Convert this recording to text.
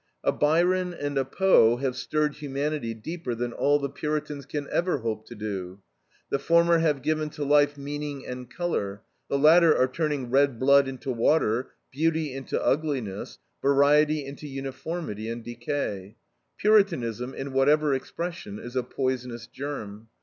A Byron and a Poe have stirred humanity deeper than all the Puritans can ever hope to do. The former have given to life meaning and color; the latter are turning red blood into water, beauty into ugliness, variety into uniformity and decay. Puritanism, in whatever expression, is a poisonous germ.